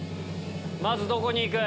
まずどこに行く？